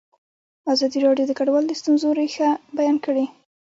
ازادي راډیو د کډوال د ستونزو رېښه بیان کړې.